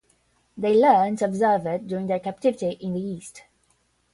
They learned to observe it during their captivity in the East.